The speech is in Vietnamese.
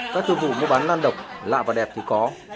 các thương vụ mua bán lan độc lạ và đẹp thì có